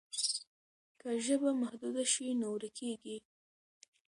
که ژبه محدوده شي نو ورکېږي.